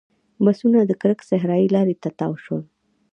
بسونه د کرک صحرایي لارې ته تاو شول.